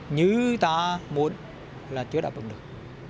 như ta muốn là chưa đáp ứng được